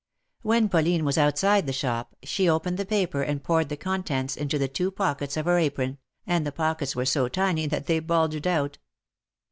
When Pauline was outside the shop, she opened the paper and poured the contents into the two pockets of her apron, and the pockets were so tiny that they bulged out.